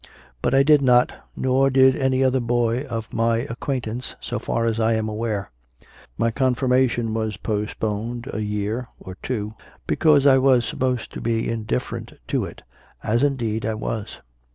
But I did not, nor did any other boy of my acquaintance, so far as I am aware. My Confirmation was postponed a year or two, because I was supposed to be indifferent to it, as indeed I was.